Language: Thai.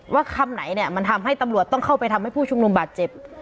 คำไหนเนี่ยมันทำให้ตำรวจต้องเข้าไปทำให้ผู้ชุมนุมบาดเจ็บ